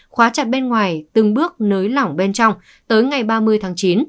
khóa chặt bên ngoài từng bước nới lỏng bên trong tới ngày ba mươi tháng chín